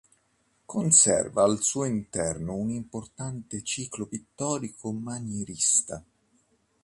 Conserva al suo interno un importante ciclo pittorico manierista.